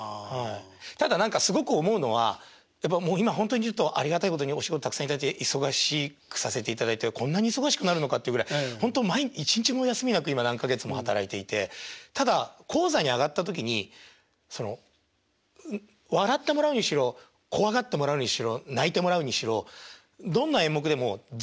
ただ何かすごく思うのはやっぱ本当に言うとありがたいことにお仕事たくさん頂いて忙しくさせていただいてこんな忙しくなるのかっていうぐらい本当一日も休みなく何か月も働いていてただ高座に上がった時にその笑ってもらうにしろ怖がってもらうにしろ泣いてもらうにしろどんな演目でも絶対に手は抜かない。